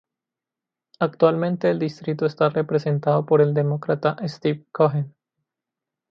Actualmente el distrito está representado por el Demócrata Steve Cohen.